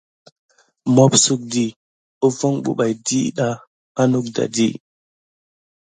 Mopsukdi ahiku anaɗa uvon ɗiɗa á naɗa di.